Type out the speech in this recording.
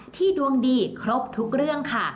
ดวงดีครบทุกเรื่องค่ะ